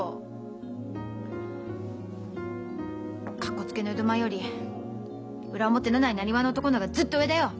かっこつけの江戸前より裏表のない浪花の男の方がずっと上だよ。